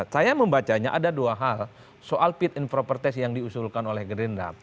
saya membacanya ada dua hal soal fit and proper test yang diusulkan oleh gerindra